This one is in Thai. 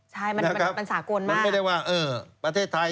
ใช่มันสากลมาก